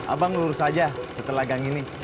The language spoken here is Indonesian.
abang lurus aja setelah gang ini